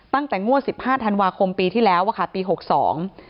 ตั้งแต่งวดสิบห้าธันวาคมปีที่แล้วอ่ะค่ะปีหกสอง